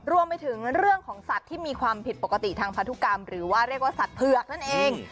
รวมไปถึงเรื่องของสัตว์ที่มีความผิดปกติทางพันธุกรรมหรือว่าเรียกว่าสัตว์เผือกนั่นเอง